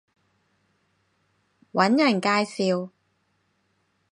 搵人介紹